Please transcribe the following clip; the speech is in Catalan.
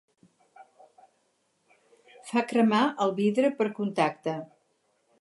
Fa cremar el vidre per contacte.